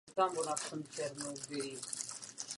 Kult nikdy neměl mnoho členů.